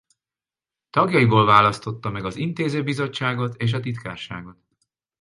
Tagjaiból választotta meg az Intéző Bizottságot és a Titkárságot.